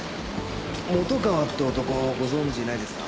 本川って男ご存じないですか？